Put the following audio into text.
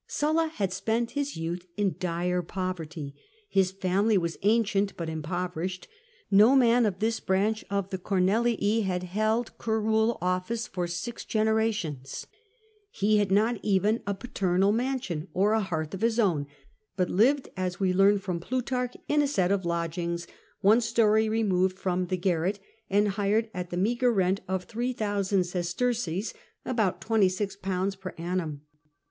Sulla had spent his youth in dire poverty. His family was ancient but impoverished : no man of this branch of the Oornelii had held curule ofiSce for six generations. He had not even a paternal mansion or a hearth of his own, hut Hved, as we learn from Plutarch, in a set of lodgings one storey removed from the garret, and hired at the meagre rent of 3000 sesterces (about £26) per annum.